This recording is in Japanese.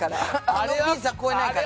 あのピザ超えないから。